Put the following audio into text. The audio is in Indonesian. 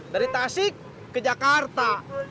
dari tasik ke jakarta